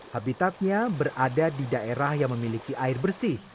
habitatnya berada di daerah yang memiliki air bersih